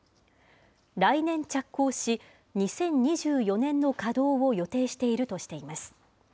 来年着工し、２０２４年の稼働を予定しているとしています。